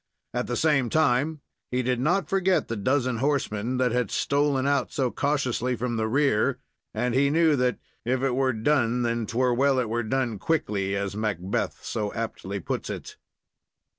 At the same time he did not forget the dozen horsemen that had stolen out so cautiously from the rear, and he knew that "if it were done, then 'twere well it were done quickly," as Macbeth so aptly puts it.